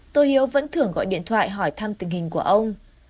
tô hiếu vẫn thưởng gọi điện thoại hỏi thăm tình hình của ông